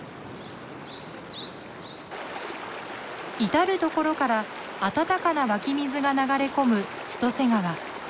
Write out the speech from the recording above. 至る所から温かな湧き水が流れ込む千歳川。